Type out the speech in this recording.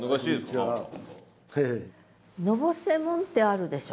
「のぼせもん」ってあるでしょ？